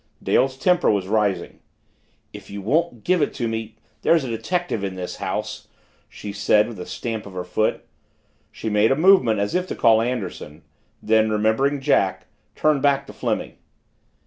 Dale's temper was rising. "If you won't give it to me there's a detective in this house," she said, with a stamp of her foot. She made a movement as if to call Anderson then, remembering Jack, turned back to Fleming.